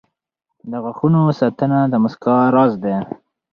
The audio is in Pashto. • د غاښونو ساتنه د مسکا راز دی.